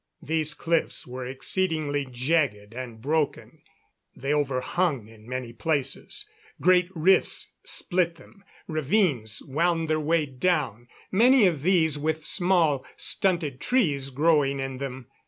These cliffs were exceedingly jagged and broken. They overhung in many places. Great rifts split them; ravines wound their way down, many of these with small, stunted trees growing in them.